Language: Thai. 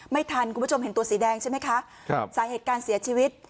ไม่ทันคุณผู้ชมเห็นตัวสีแดงใช่ไหมคะครับสาเหตุการเสียชีวิต